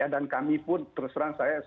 dan kami pun terus terang saya